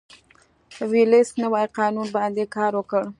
وېلسن نوي قانون باندې کار وکړ.